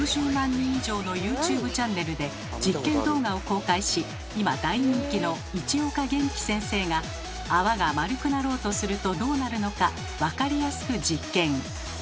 人以上のＹｏｕＴｕｂｅチャンネルで実験動画を公開し今大人気の市岡元気先生が泡が丸くなろうとするとどうなるのか分かりやすく実験。